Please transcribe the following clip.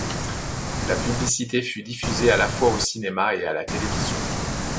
La publicité fut diffusée à la fois au cinéma et à la télévision.